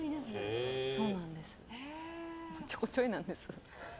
おっちょこちょいなんです。